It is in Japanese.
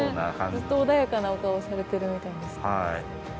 ずっと穏やかなお顔をされてるみたいで好きなんですけど。